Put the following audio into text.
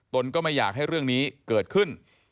ก็ไม่อยากให้เรื่องนี้เกิดขึ้น